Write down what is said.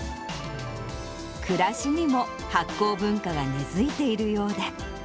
暮らしにも発酵文化が根づいているようで。